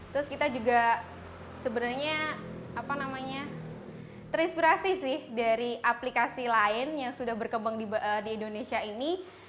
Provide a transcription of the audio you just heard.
terus kita juga sebenarnya terinspirasi sih dari aplikasi lain yang sudah berkembang di indonesia ini